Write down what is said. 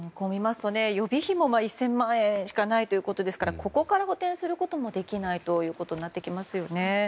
予備費も１０００万円しかないからここから補てんすることもできないということになってきますよね。